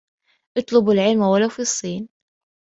اطلبوا العلم ولو في الصين